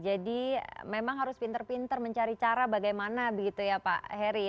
jadi memang harus pinter pinter mencari cara bagaimana begitu ya pak heri